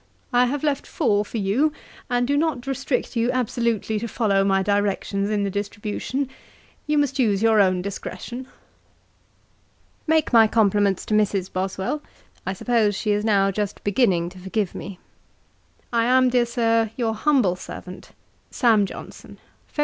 I have left four for you, and do not restrict you absolutely to follow my directions in the distribution. You must use your own discretion. 'Make my compliments to Mrs. Boswell: I suppose she is now just beginning to forgive me. 'I am, dear Sir, your humble servant, 'SAM. JOHNSON.' 'Feb.